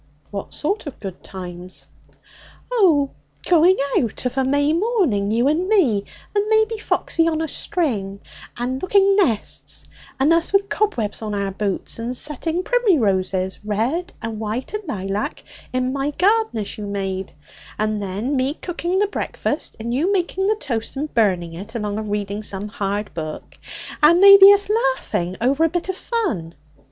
'What sort of good times?' 'Oh, going out of a May morning, you and me and maybe Foxy on a string and looking nests, and us with cobwebs on our boots, and setting primmyroses, red and white and laylac, in my garden as you made, and then me cooking the breakfast, and you making the toast and burning it along of reading some hard book, and maybe us laughing over a bit o' fun.